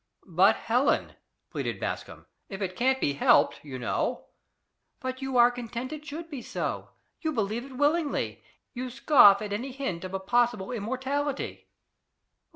"But, Helen," pleaded Bascombe, "if it can't be helped, you know!" "But you are content it should be so. You believe it willingly. You scoff at any hint of a possible immortality."